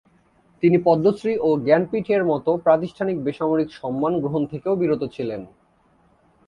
তিনি পদ্মশ্রী ও জ্ঞানপীঠ এর মতো প্রাতিষ্ঠানিক ও বেসামরিক সম্মান গ্রহণ থেকেও বিরত ছিলেন।